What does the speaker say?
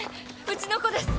うちの子です。